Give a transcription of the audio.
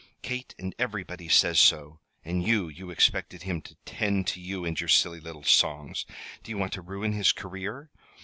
Kate and everybody says so. And you you expected him to tend to you and your silly little songs. Do you want to ruin his career?